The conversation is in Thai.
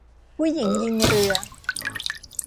ผู้หญิงยิงเรือ